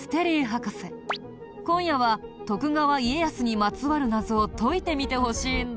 今夜は徳川家康にまつわる謎を解いてみてほしいんだ。